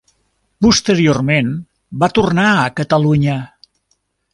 Posteriorment va tornar a Catalunya.